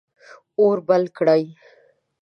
اور بل کړئ